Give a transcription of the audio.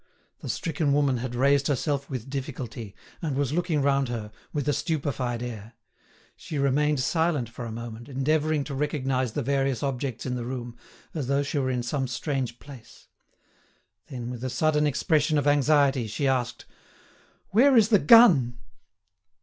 The stricken woman had raised herself with difficulty, and was looking round her, with a stupefied air. She remained silent for a moment, endeavouring to recognise the various objects in the room, as though she were in some strange place. Then, with a sudden expression of anxiety, she asked: "Where is the gun?"